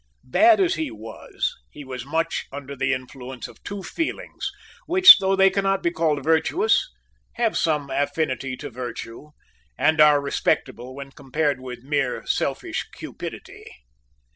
Bad as he was, he was much under the influence of two feelings, which, though they cannot be called virtuous, have some affinity to virtue, and are respectable when compared with mere selfish cupidity.